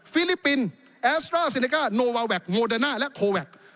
ฟิลิปปินส์แอสตราเซเนก้าโนวาแวคโมเดอร์น่าและโคแวค